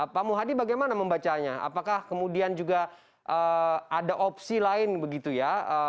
pak muhadi bagaimana membacanya apakah kemudian juga ada opsi lain begitu ya